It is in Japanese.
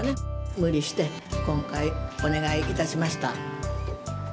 無理して今回、お願いいたしました。